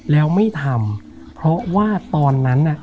แล้วไม่ทำเพราะว่าตอนนั้นน่ะ